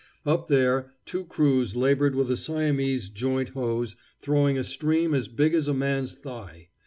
Up there two crews labored with a Siamese joint hose throwing a stream as big as a man's thigh.